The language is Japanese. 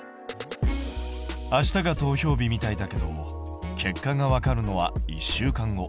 明日が投票日みたいだけど結果がわかるのは１週間後。